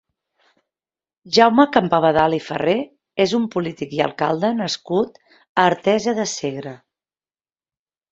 Jaume Campabadal i Farré és un polític i alcalde nascut a Artesa de Segre.